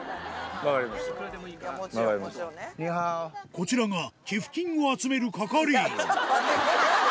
こちらが寄付金を集める係員